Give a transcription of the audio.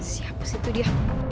siapa sih itu dia